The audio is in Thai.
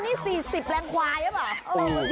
อันนี้๔๐แหลมควายนั่นเอง